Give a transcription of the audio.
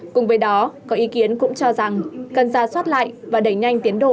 cùng với đó có ý kiến cũng cho rằng cần ra soát lại và đẩy nhanh tiến độ